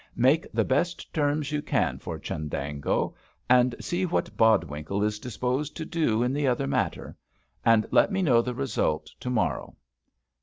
Make the best terms you can for Chundango, and see what Bodwinkle is disposed to do in the other matter; and let me know the result to morrow.